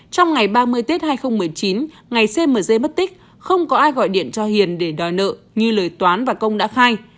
trong ngày ba mươi tết hai nghìn một mươi chín ngày cm mất tích không có ai gọi điện cho hiền để đòi nợ như lời toán và công đã khai